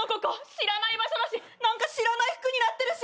知らない場所だし何か知らない服になってるし。